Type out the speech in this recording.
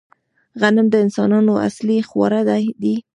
غنم د انسانانو اصلي خواړه دي